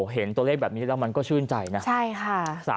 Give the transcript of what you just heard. เห็นตัวเลขแบบนี้แล้วมันก็ชื่นใจนะใช่ค่ะ